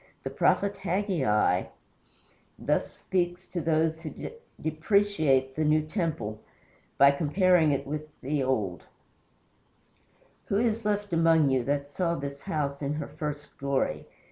The prophet Haggai (ii. 3 9) thus speaks to those who depreciate the new temple by comparing it with the old: "Who is left among you that saw this house in her first glory?